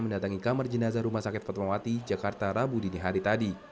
mendatangi kamar jenazah rumah sakit fatmawati jakarta rabu dini hari tadi